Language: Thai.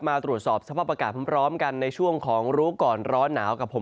มาตรวจสอบสภาพอากาศพร้อมกันในช่วงของรู้ก่อนร้อนหนาวกับผม